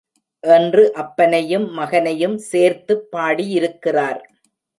என்று அப்பனையும் மகனையும் சேர்த்துப் பாடியிருக்கிறார்.